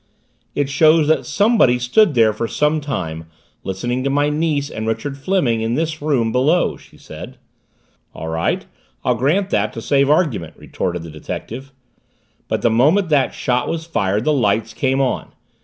"It shows that somebody stood there for some time, listening to my niece and Richard Fleming in this room below," she said. "All right I'll grant that to save argument," retorted the detective. "But the moment that shot was fired the lights came on.